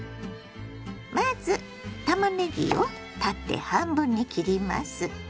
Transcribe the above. まずたまねぎを縦半分に切ります。